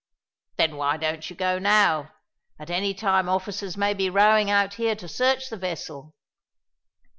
"Then why don't you go now? At any time officers may be rowing out here to search the vessel."